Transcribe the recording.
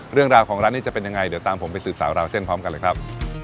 เรื่องราวของร้านนี้จะเป็นยังไงเดี๋ยวตามผมไปสืบสาวราวเส้นพร้อมกันเลยครับ